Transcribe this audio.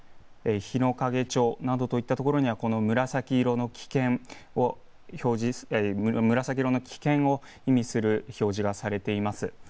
高千穂町、あるいは日之影町などといったところに紫色の危険を意味する表示がされています。